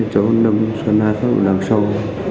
chống đâm xuân hai phát vào lòng sâu